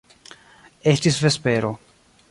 Estis vespero.